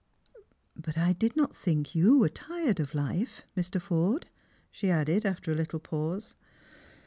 " But I did not think you were tired of life, Mr. Forde," she added, after a little pause.